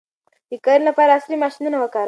د کرنې لپاره عصري ماشینونه وکاروئ.